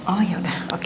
oh yaudah oke